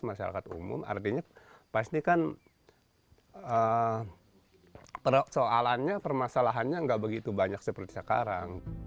masyarakat umum artinya pasti kan persoalannya permasalahannya nggak begitu banyak seperti sekarang